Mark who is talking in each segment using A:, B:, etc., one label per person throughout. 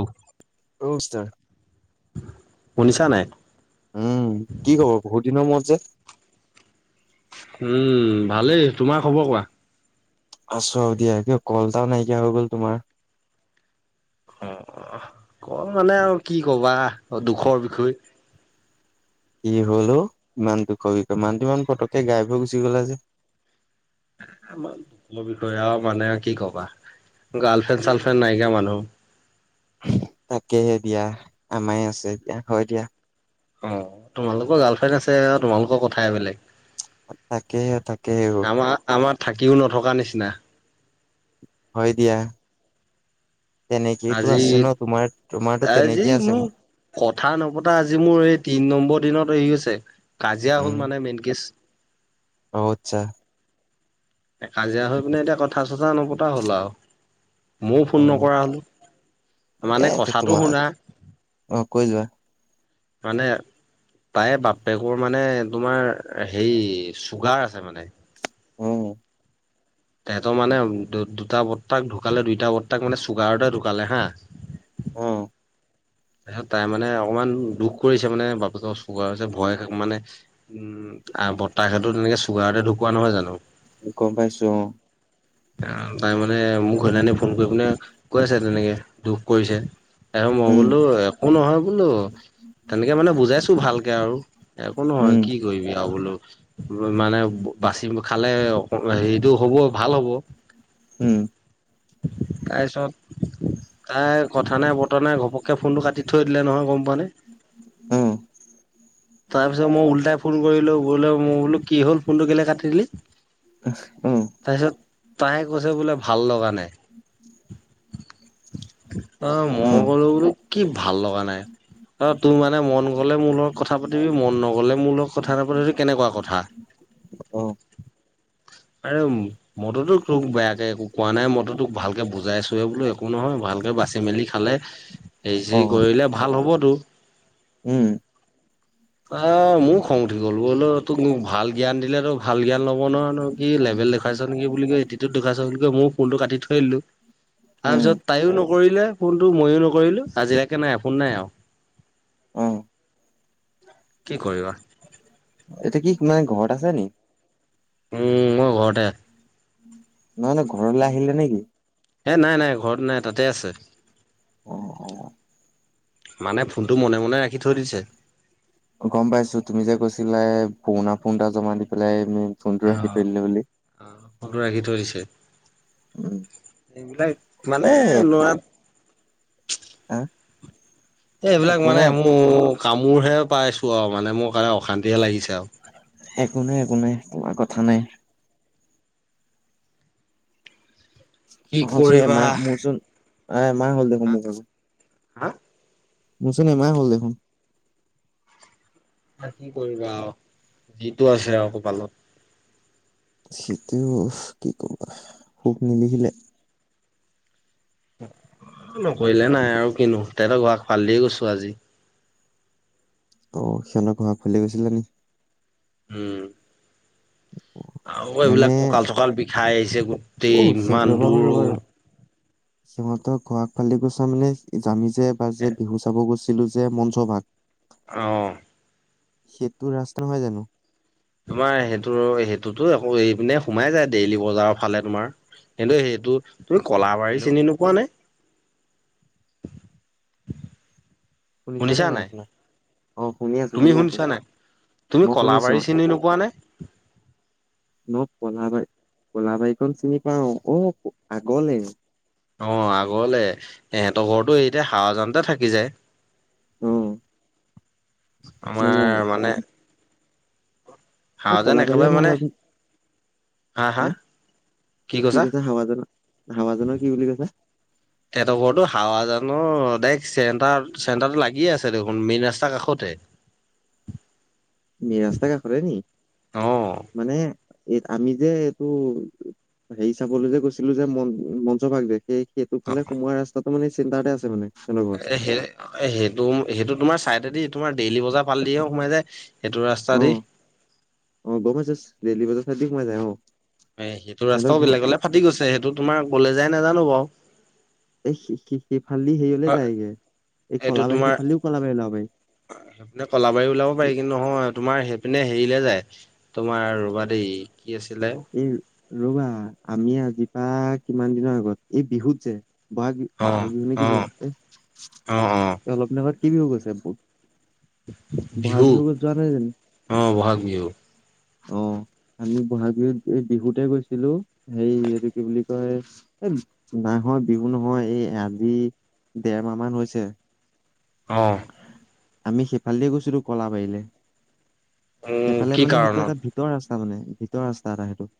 A: অ'।
B: কমষ্টষ্টাৰ
A: শুনিছা নাই?
B: উম কি খবৰ বহুত দিনৰ মূৰত যে
A: উম, ভালেই তোমাৰ খবৰ কোৱা।
B: আছো আৰু দিয়া, কিয় কলটাও নাইকিয়া হৈ গল তোমাৰ।
A: অ', কল মানে আৰু কি কবা, দুখৰ বিষয়।
B: কি হ'ল অ' ইমান দুখৰ বিশৈ মনটো ইমানটো ইমান পতককে গাই পৈ গুচি গ'লা যে।
A: এ আমাৰকলৰ বিষয়ে আৰু মানে কি কবা, গাৰ্লফ্ৰেণ্ড চাৰ্লফ্ৰেণ্ড নাইকিয়া মানুহ।
B: তাকেহে দিয়া, আমায় আছে এতিয়া হয় দিয়া।
A: অ', তোমালোকৰ গাৰ্লফ্ৰেণ্ড আছে আও তোমালোকৰ কথাইে বেলেগ।
B: তাকে, তাকেও।
A: আমাৰ আমাৰ থাকিও নথকাৰ নিচিনা।
B: হয় দিয়া। তেনেকেইতো
A: আজি,
B: আছে ন তোমাৰ তোমাৰতো
A: আজি
B: তেনেকেই আছে
A: মোৰ কথা নপতা আজি মোৰ এই তিন নম্বৰ দিনত [unintelligible] আছে। কাজিয়া হ'ল
B: উম
A: মানে মেইন কেচ।
B: অ', আতছা।
A: এ কাজিয়া হৈ পিনে এতিয়া কথা চঠা নপত টা হ'ল আৰু। ময়ো
B: অ
A: ফোন নকৰা হ'লোঁ। মানে
B: এ
A: কথাটো
B: তোমাৰ
A: শুনা।
B: অ কৈ যোৱা
A: মানে তাই বাপেকৰ মানে তোমাৰ হেৰি চুগাৰ আছে মানে।
B: অ
A: তেহেতৰ মানে দুটা বৰ্তাক ঢুকালে, দুইটা বৰ্তাক মানে চুগাৰতে ঢুকালে হা।
B: উম।
A: তাৰপিছত তাই মানে অকণমান দুখ কৰিছে মানে বা বাপেকৰ চুগাৰ হৈছে ভয়, মানে, উম, আহ বৰ্তাক হেটো তেনেকে চুগাৰতে ঢুকোৱা নহয় জানো!
B: গম পাইছো, অঁ।
A: আহ তাই মানে মোক সেইদিনা ফো ফোন কৰি পিনে কৈ আছে যেনেকে, দুখ কৰিছে। এ মই
B: উম
A: বোলো একো নহয় বোলো, তেনেকে মানে বুজাইছো ভালকে আৰু। একো নহয়
B: উম
A: কি কৰিবি আৰু বোলো মানে, বাচি খালে, অ', হেৰিটো হ'ব। ভাল হ'ব।
B: উম।
A: তাৰপিছত তাই কথা নাই, বতৰা নাই, ঘপককৈ ফোনটো কাটি থৈ দিলে নহয়। গম পাৱনে?
B: অ
A: ফোন কৰিলোঁ। বোলো, কি হ'ল? ফোনটো কিয় কাটি দিলি? '
B: আহ, উম।
A: তইয়ে কৈছে বোলে, ভাল লগা নাই। অ', মই ক'লো বোলো, কি ভাল লগা নাই? অ', তোৰ মানে মন গ'লে মোৰ লগত কথা কথা পাতিবি। মন নগ'লে মোৰ লগত কথা নাপাতিবি। এইটো কেনেকুৱা কথা?
B: অ অ
A: আৰে, মইতো তোক বেয়াকে একো কোৱা নাই। মইতো তোক ভালকে বুজাইছোঁহে, বোলো, একো নহয়, ভালকে বাচি-মেলি খালে
B: অ
A: হেৰি-চেৰি কৰিলে ভাল হ'ব তো। [inaudible]
B: উম।
A: আ, মোৰো খং উঠি গ'ল। বোলো, তোক মই ভাল জ্ঞান দিলে, তই ভাল জ্ঞান ল'ব নোৱাৰ ন'? কি লেবেল দেখাইছ নেকি বুলি কয়। এটিটিউড দেখুৱাইছ বুলি কয়। মইও ফোনটো কাটি থৈ দিলোঁ।
B: উম
A: তাৰপিছত, তাইও ন কৰিলে ফোনটো। মইয়ো নকৰিলোঁ। আজিলৈকে ফোন নাই আৰু
B: অ'।
A: কি কৰিবা
B: এতিয়া কি কোনোৱাই ঘৰত আছে নি
A: উম মই ঘৰতে
B: নহলে ঘৰলৈ আহিলে নেকি
A: এই নাই নাই ঘৰত নাই তাতে আছে
B: অ অ
A: মানে ফোনটো মনে মনে ৰাখি থৈ দিছে
B: গম পাইছো তুমি যে কৈছিলা পুৰণা ফোন এটা জমা দি পেলাই ফোনটো
A: অ
B: ৰাখি থৈ দিলে বুলি
A: আহ ফোনটো ৰাখি থৈ দিছে
B: উম
A: এইবিলাক
B: এ
A: মানে
B: একো
A: লৰা
B: আহ
A: এই এইবিলাক
B: একো
A: মানে
B: নাই
A: মোৰ কামোৰহে পাইছো অ মানে মোৰ কাৰণে অশান্তিহে লাগিছে আৰু।
B: একো নাই একো নাই তোমাৰ কথা থা নাই
A: কি
B: অচো এ
A: কৰিবা
B: মা
A: হা
B: মচোন তাৰ এমাহ হ'ল দেখোন মোক আকৌ
A: হা
B: মুচোন আনা হ'ল দেখোন
A: কি কৰিবা আৰু যিটো আছে আৰু কপালত
B: সেইটোও কি কবা সুখ নিলিখিলে
A: নকৰিলে নাই আৰু কিনো তেহতৰ ঘৰৰ আগ ফালদিয়ে গৈছো আজি
B: অ সিহঁতৰ ঘৰৰ আগফালে গৈছিলে নেকি
A: উম আৰু
B: মানে
A: এইবিলাক কঁকাল চকাল বিষ খাই আহিছে গোটেই
B: অ সিহ
A: ইমান
B: ৰবা ৰবা
A: দূৰো
B: ৰবা সিহঁতৰ খোৰক পালি গুচাম নে জামি যে এবাৰ যে বিহু চাব গৈ ছিলো যে মঞ্চ ভাগ
A: অহ
B: সেইটো ৰাস্তা নহয় জানো
A: তোমাৰ সেইটো সেইটোতো আকৌ এই ফালে সোমাই যায় ডেইলি বজাৰৰ ফালে তোমাৰ এনে সেইটো তুমি কলাবাৰী
B: হেল্ল'
A: চিনি নোপোৱা নে?
B: শুনিছানে নাই শুনা অ শুনি আছো
A: তুমি
B: শুনি আছো
A: শুনিছা নাই? তুমি
B: মই শুনিছো
A: কলাবাৰী চিনি নোপোৱা নে?
B: মোক কলাবাৰী কলাবাৰীখন চিনি পাওঁ অ আগলে
A: অ আগলে ইহঁতৰ ঘৰতটো এতিয়া হাৱাজানতে থাকি যায়
B: অ
A: আমাৰ মানে
B: এ
A: হাৱাজান
B: কলাবাৰী
A: একেবাৰে
B: মই
A: মানে
B: অলপ দি
A: হা হা
B: হ কি কৈছা হাৱাজান হাৱাজানৰ কি বুলি কৈছা?
A: এহেতৰ ঘৰতো হাৱাজানৰ ডাইৰেক্ট চেণ্টাৰ চেণ্টাৰটো লাগিয়ে আছে দেখোন মেইন ৰাস্তাৰ কাষতে।
B: মেইন ৰাস্তা কাষতে নি,
A: অ
B: মানে এই আমি যে এইটো হেৰি চাবলৈ যে গৈছিলো যে ম মঞ্চভাগজে সেই সেইটো ফালে সোমোৱা ৰাস্তাটো মানে চেণ্টাৰতে আছে মানে। সিহঁতৰ ঘৰ
A: এ সেই সেইটো- সেইটো তোমাৰ চাইডেদি তোমাৰ ডেইলি বজাৰ ফাল দিহে সোমাই যায়। সেইটো ৰাস্তা
B: অ-অ'
A: দি
B: [unintelligible] দেইলি বজাৰত ফালদিয়ে সোমাই যায়, অঁ।
A: এ সেইটো ৰাস্তাও বেলেগলে ফাটি গৈছে সেইটো তোমাৰ ক'লে যায় নাজানো বাৰু।
B: এই [unintelligible]
A: হয়,
B: যায়গে এই
A: এইটো
B: কলাবাৰী
A: তোমাৰ
B: সেইফালেদিও কলাবাৰী ওলাব পাৰি
A: নে কলাবাৰী ওলাব পাৰি কিন্তু নহয় তোমাৰ সেই পিনে হেৰিলে যায় তোমাৰ ৰ'বা দেই কি আছিলে
B: এই ৰ'বা আমিয়ে আজি বা কিমান দিনৰ আগত এই বিহুত যে বহাগ বি
A: অ',
B: বহাগ বিহু নে কি,
A: অ', অ', অ'।
B: এই অলপ দিনৰ আগত কি বিহু গৈছে বাও
A: বিহু
B: নাই
A: অঁ বহাগ বিহু।
B: অঁ আমি বহাগ বিহুত এই বিহুতে গৈছিলো হেৰি এইটো কি বুলি কয় এ নহয় বিহু নহয় এই আজি দেৰ মাহ মান হৈছে
A: অঁ।
B: আমি সেইফালেদি গৈছিলো কলাবাৰীলে।
A: উম,
B: সেইফালে
A: কি
B: মানে সেইটো
A: কাৰণত?
B: এটা ভিতৰ ৰাচ তা মানে ভিতৰ ৰাস্তা এটা সেইটো।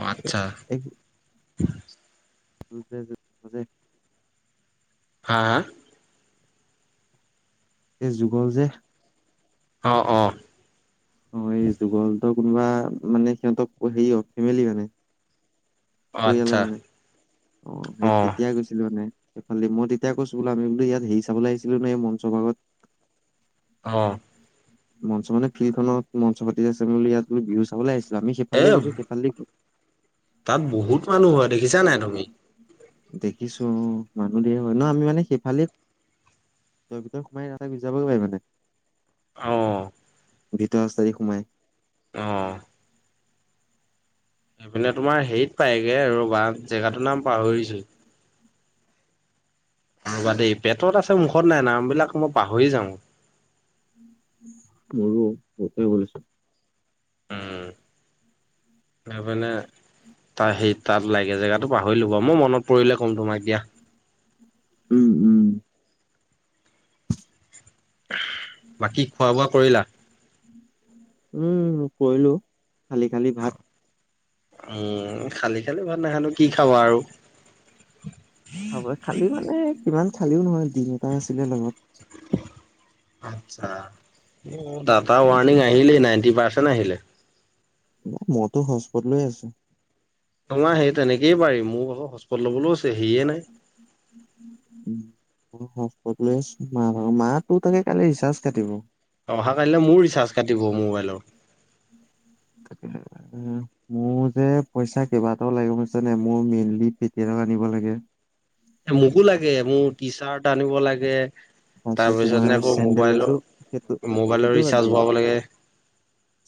A: অঁ আচ্ছা।
B: এক [unintelligible]
A: হা-হা।
B: এই যুগল যে
A: অঁ-অঁ।
B: অঁ এই যুগল হতৰ কোনোবা মানে সিহঁতৰ হেৰি আৰু ফেমিলি মানে
A: অঁ আচ্ছা।
B: অঁ সেই
A: অ',
B: তেতিয়াই গৈছিলো মানে সেইফালদি মই তেতিয়াই কৈছো বোলো আমি বোলো ইয়াত হেৰি চাবলৈ আহিছিলো ন এই মঞ্চ ভাগত
A: অঁ।
B: মঞ্চ মানে ফিল্ডখনত মঞ্চ পাতি আছে বুলি ইয়াত তুমি বিহু চাবলৈ আহিছে আমি
A: এ
B: সেইফালেদিহে গৈছোঁ, সেইফালেদি
A: তাত বহুত মানুহ হয়। দেখিছা নাই তুমি?
B: দেখিছো, অ', মানুহ ধেৰ হয়। ন আমি মানে সেইফালে দি ভিতৰে ভিতৰে সোমাই [unintelligible] গুচি যাবই পাৰি মানে।
A: অঁ।
B: ভিতৰ ৰাস্তা দি সোমাই।
A: অঁ। সেইফালে তোমাৰ হেৰিত পায়গে, ৰবা জেগাটোৰ নাম পাহৰিছো। ৰবা দেই, পেটত আছে মুখত নাই, নাম বিলাক মই পাহৰি যাওঁ।
B: [unintelligible]
A: উম। সেইপিনে, তাৰ সেই তাত ওলাইগে। জেগাতটো পাহৰিলো বাৰু। মই মনত পৰিলে ক'ম তোমাক দিয়া।
B: উম, উম।
A: বাকী খোৱা বোৱা কৰিলা?
B: উম, কৰিলো। খালি খালি ভাত।
A: উম, খালি খালি ভাত নাখালোঁ।
B: খা
A: কি খাবা আৰু।
B: [unintelligible] খালি মানে কিমান খালিও নহয়, দিম এটা আছিলে লগত।
A: আচ্ছা। দাটা
B: এতিয়া
A: ৱাৰণিং আহিলেই নাইনটি পাৰ্চ ন আহিলে
B: মইতো হটস্পত লৈ আছো।
A: নহ সেই তেনেকেই পাৰি মোক আকৌ হটস্পত ল'বলৈও আছে। হেৰিয়ে নাই।
B: উম। [unintelligible] ম মাহ তো তাকে কালি ৰিচাৰ্জ কাটিব।
A: অহাকালিলৈ মোৰো ৰিচাৰ্জ কাটিব মোবাইলৰ।
B: মোৰ যে পইচা কিবা এটাও লাগিব নে মোৰ মেইনলি [unintelligible] আনিব লাগে।
A: এ মোকো লাগে, মোৰ টি চাৰ্ট আনিব লাগে।
B: তাৰপিছত
A: নে
B: তোমাৰ
A: আকৌ
B: চেন্ডেল
A: মোবাইলৰ
B: এযোৰ, সেইটো
A: মোবাইলৰ
B: সেইটো বাদ
A: ৰিচাৰ্জ
B: দিয়া
A: ভৰাব লাগে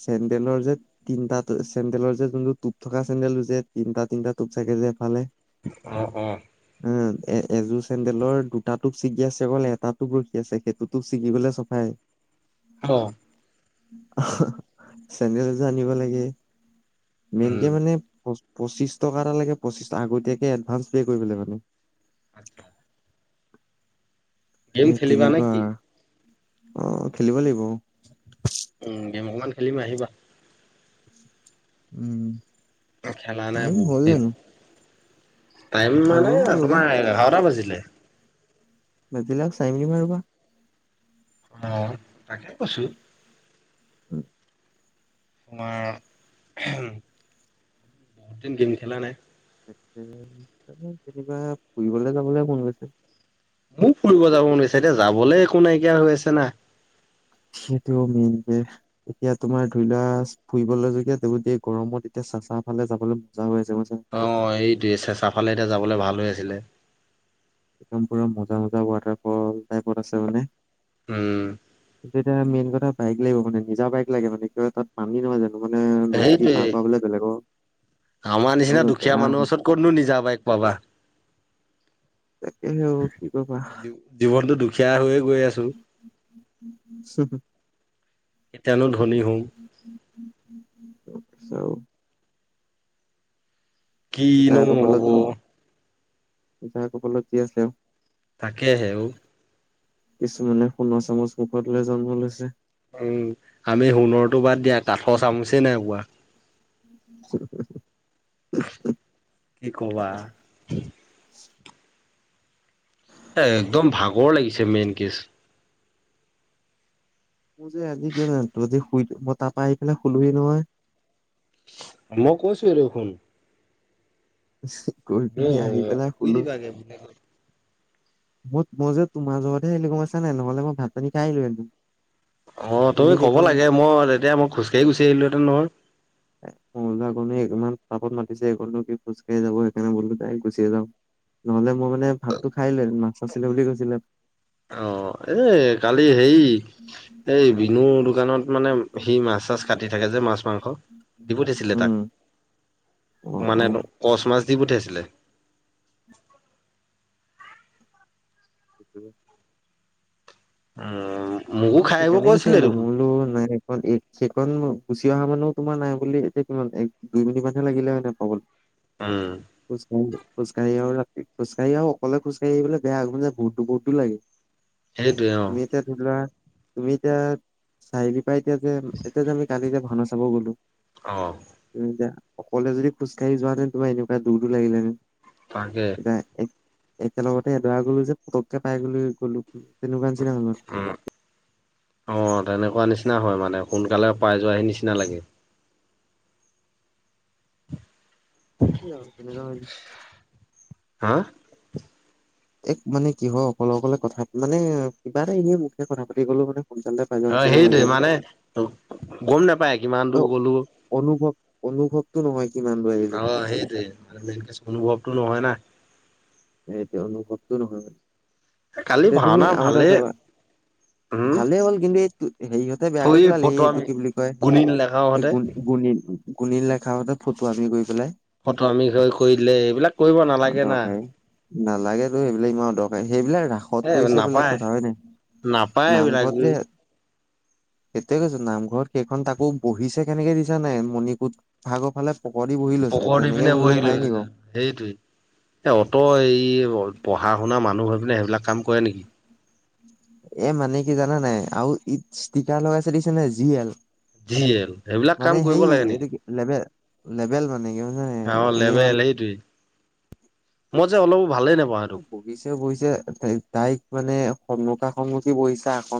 B: চেন্ডেলৰ যে তিনটাত চেণ্ডেলৰ যে যোনটো টোপ থকা চেণ্ডেলটো যে, তিনিটা তিনিটা টোপ থাকে যে এফালে।
A: আহ অ'।
B: এ এযোৰ চেণ্ডেলৰ দুটা টো ছিগি আছে, অকল এটাত খি আছে সেইটোতো ছিগি গলে চফাই।
A: অ'।
B: চেণ্ডেল এজোৰ আনিব লাগে।
A: উম।
B: মেইনকে মানে পঁচিশ টকা এটা লাগে পঁচিশ আগতিয়াকে এডভান্স পে কৰিবলে মানে।
A: আত্ছা। গেম
B: এই
A: খেলিবা নে
B: তেনেকুৱা
A: কি?
B: অ', খেলিব লাগিব।
A: উম, গেম অকমান খেলিম আহিবা।
B: উম।
A: খেলা নাই
B: টাইম
A: বহুত
B: হ'ল
A: দিন।
B: জানো
A: টাইম
B: আৰু
A: মানে
B: ৰ'বা
A: তোমাৰ এঘাৰটা বাজিল। লে।
B: বাজিলক চাৰিমিনিট মান ৰ'বা।
A: অ'। তাকে কৈছোঁ।
B: [inaudible]
A: তোমাৰ বহুত দিন গেম খেলা নাই।
B: কেনিবা ফুৰিবলৈ যাবলৈ মন গৈছে।
A: মোৰ ফুৰিব যাব মন গৈছে এতিয়া যাবলৈ একো নাইকিয়া হৈ আছে না।
B: সেইটোয়ে মেইন যে, এতিয়া তোমাৰ ধৰিলোৱা ফুৰিবলগীয়া [unintelligible] গৰমত এতিয়া চাচা ফালে যাবলৈ মজা হৈ আছে।
A: অ এইটোৱে, চেচাফালে এতিয়া যাবলৈ ভাল হৈ আছিলে।
B: লমপুৰৰ মজা মজা ৱাটাৰফল টাইপত আছে মানে।
A: উম।
B: এতিয়া মেইন কথা বাইক লাগিব মানে, নিজা বাইক লাগে মানে কিবা তাত পানী নহয় জানো। মানে নদী দি পাৰ
A: সেইটোৱেই,
B: কৰাবলে বেলেগৰ
A: আমাৰ নিচিনা
B: অলপ
A: দুখীয়া
B: বেয়া
A: মানুহৰ
B: হয়
A: ওচৰত ক'তনো নিজা বাইক পাবা।
B: তাকেহে অ কি কবা
A: জী জীৱনটো দুখীয়া হৈয়ে গৈ আছো।
B: উহ।
A: কেতিয়ানো ধনী হম।
B: চাওঁ।
A: কিনু
B: যাৰ কপালত
A: হ'ব?
B: যোন যাৰ কপালত যি আছিলে আউ।
A: তাকেহে ঔ।
B: কিছুমানে সোণৰ চামুচ মুখত লৈ জন্ম লৈছে।
A: উম আমি সোণৰটো বাদ দিয়া, কাঠৰ চামুচেই নাই পোৱা।
B: [inaudible]
A: কি কবা? এ একদম ভাগৰ লাগিছে মেইন কেচ।
B: মোৰ যে আজি কিয় জানো যে শুই মই তাৰ পৰা আহি পেলাই শুলোই নহয়।
A: মই কৈছোঁয়ে দেখোন।
B: গৈ
A: অ
B: পিনি আহি পেলাই
A: শুই
B: শুলো।
A: দিবাগে
B: মই-মই যে তোমাৰ জহত হে মই নাই, নহ'লে মই ভাত পানী খাই আহিলো হেতিন।
A: অ' তুমি ক'ব লাগে মই তেতিয়া, মই খোজকাঢ়ি গুচি আহিলো হেতেন নহয়।
B: মই আগ ইমান তাপত মাতিছেনো কি খোজ কঢ়ি যাব সেইকাৰণে বলো যাই গুচিয়ে যাওঁ নহলে মই মানে ভাতটো খাই লৈ মাছ আছিলে বুলি কৈছিলে।
A: অ', এ কালি হে এই বিনুয দোকানত মানে সি মাছ চাছ কাটি থাকে যে মাছ-মাংস। দিব দিছিলে তাক,
B: উম, অ',
A: মানে
B: অ'।
A: ক'চ মা ৰাজদ্বীপহ'তে আছিলে।
B: সেইটোৱে।
A: উম, মোকো
B: অ',
A: খাই আহিব
B: সেইকাৰণে
A: কৈছিলে
B: বিচাৰিলো
A: দেখোন।
B: মোই বোলো নাই সেই সেইখন গুচি অহা মানে তোমাৰ নাই বুলি এতিয়া কিমান এক দুই মিনিট মানহে লাগিলে মানে পাগল
A: উম,
B: [unintelligible] খোজকাঢ়ি আহো, খোজকাঢ়ি আহো, অকলে খোজকাঢ়ি আহিবলে বেয়া [unintelligible] যে গুৰটো গুৰটো লাগে।
A: সেইটোৱে অ',
B: নিতে [unintelligible] তুমি এতিয়া চাইৰি এতিয়া যে এতিয়া যে আমি কালি যে ঘনচ চাব গ'লো।
A: অ'
B: উম, দিয়া। অকলে যদি খোজকাঢ়ি যোৱা তেন্তে এনেকুৱা দূৰ দূৰ লাগিলে [unintelligible]
A: তাকে।
B: একেলগতে এডৰা গ'লো যে পতককে পাই [unintelligible] গ'লো। তেনেকুৱা নিচিনা হৈ গ'ল।
A: উম। অ' তেনেকুৱা নিচিনা হয় মানে, সোনকালে পাই যোৱাহে নিচিনা লাগে।
B: সেইটোৱেই আৰু, তেনেকুৱা হয় যে
A: হা?
B: এক মানে কি হয় অকলে অকলে কথা মানে কিবা এটা এনে মুখে কথা পাতি গ'লেও মানে সোনকালতে পাই যোৱা
A: অ',
B: নিচিনা হৈ
A: সেইটোৱেই,
B: যায় ন
A: মানে গম নাপায় কিমান
B: অ
A: দূৰ গ'লোঁ
B: অনুভৱ অনুভৱটো নহয় কিমান দূৰ আহিলো
A: অ', সেইটোৱেই, মেইন কেছ অনুভৱটো নহয় না।
B: সেইটোৱেই, অনুভৱটো নহয় মানে।
A: কালি
B: এতিয়া তুমি
A: ভাওনা
B: আৰু এটা
A: ভালেই
B: চাবা,
A: উম,
B: ভালেই হ'ল কিন্তু এই হেৰিহঁতে বেয়া কৰি পেলালে, এই
A: ফটোৱা
B: এইটো কি বুলি কয়,
A: গুণী লেখাহঁতে
B: এই [unintelligible] গুনীন লেখাৰুহঁতে ফটুৱামী কৰি পেলাই
A: ফটুৱামী হৈ কৰি দিলে, এইবিলাক কৰিব নালাগে না।
B: অদৰকাৰী নালাগেতো এইবিলাক ইমান অদৰকাৰী, সেইবিলাক ৰাসত
A: এ
B: কৰিছে বেলেগ
A: নাপায়
B: কথা হয় নাই,
A: নাপায় এইবিলাক
B: নামঘৰত যে সেইটোৱেই কৈছো, নামঘৰত সেইখন তাকো বহিছে কেনেকে দেখিছা নাই, মণিকোট ভাগৰ ফালে পকৰি বহি লৈছে ! ! ! ! ! ! ! ! ! !
A: দি
B: তেনেকে
A: পিনে
B: বহিব
A: বহিলো,
B: পাই নি বাৰু
A: সেইটোৱে এ অ' তই এই পঢ়া-শুন নাৰ মানুহ হৈ পিনে সেইবিলাক কাম কৰে নেকি।
B: এ মানে কি জানা নাই আৰু ই ষ্টিকাৰ লগাই থৈ দিছে নে জি এল
A: জি এল, এইবিলাক
B: মানে
A: কাম
B: সেই
A: কৰিব লাগে
B: এইটো
A: নেকি?
B: কি লেবেল লেবেল মানে এগ
A: অ' লেবেল সেইটোৱে। মই যে অলপো ভালেই নাপাওঁ সেইটো
B: বহিছে, বহিছে ত তাইক মানে সন্মুখা সন্মুখি বহিছে আসন